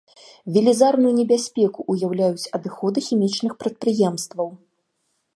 Велізарную небяспеку ўяўляюць адыходы хімічных прадпрыемстваў.